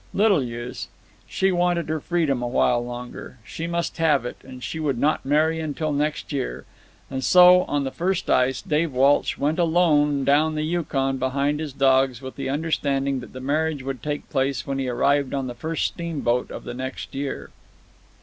Little use. She wanted her freedom a while longer; she must have it, and she would not marry until next year. And so, on the first ice, Dave Walsh went alone down the Yukon behind his dogs, with the understanding that the marriage would take place when he arrived on the first steamboat of the next year.